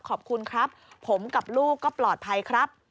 ขอบคุณครับผมกับลูกก็ปลอดภัยครับ